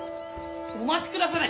・お待ちくだされ！